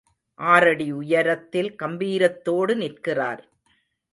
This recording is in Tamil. ஆறடி உயரத்தில் கம்பீரத்தோடு நிற்கிறார்.